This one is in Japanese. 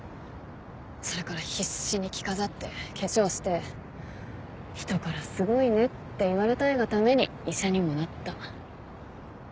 それから必死に着飾って化粧して人からすごいねって言われたいがために医者にもなった。